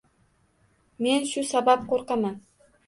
Men shu sabab qo‘rqaman.